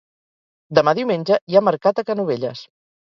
Demà diumenge hi ha mercat a Canovelles